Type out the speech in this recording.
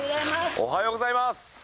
おはようございます。